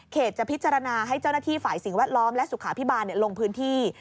จะพิจารณาให้เจ้าหน้าที่ฝ่ายสิ่งแวดล้อมและสุขาพิบาลลงพื้นที่